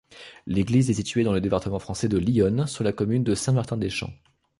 L'église est située dans le département français de l'Yonne, sur la commune de Saint-Martin-des-Champs.